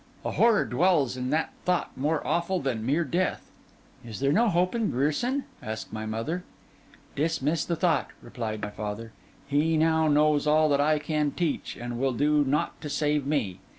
A horror dwells in that thought more awful than mere death.' 'Is there no hope in Grierson?' asked my mother. 'Dismiss the thought,' replied my father. 'He now knows all that I can teach, and will do naught to save me.